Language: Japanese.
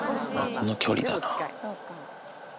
この距離だな。